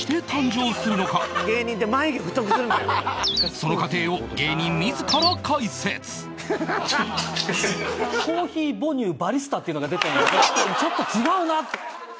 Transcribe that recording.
その過程を芸人自ら解説「コーヒー母乳バリスタ」っていうのが出たんやけどちょっと違うなって。